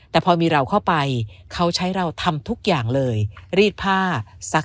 แต่พอมีเราเข้าไปเขาใช้เราทำทุกอย่างเลยรีดผ้าซัก